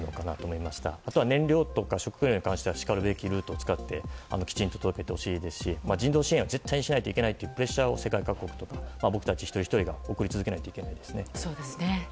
あとは燃料とか食料に関してはしかるべきルートを使ってきちんと届けてほしいですし人道支援は絶対にしないといけないというプレッシャーを世界各国と僕たち一人ひとりが送り続けないといけないですね。